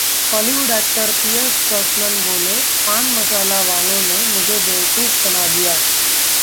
Hollywood actor Pierce Brosnan बोले, पान मसाला वालों ने मुझे बेवकूफ बना दिया